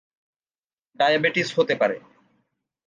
Diabetes হতে পারে।